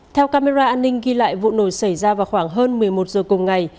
theo camera an ninh ghi lại vụ nổ xảy ra vào khoảng hơn một mươi một giờ cùng ngày